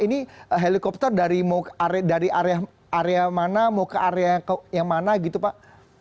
ini helikopter dari area mana mau ke area yang mana gitu pak